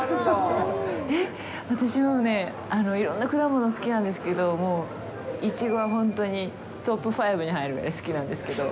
えっ、私、いろんな果物好きなんですけどイチゴは本当にトップ５に入るぐらい好きなんですけど。